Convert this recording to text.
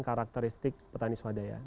karakteristik petani swadaya